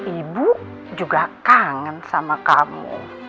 ibu juga kangen sama kamu